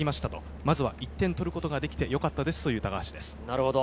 まずは１点取ることができてよかったですという高橋です。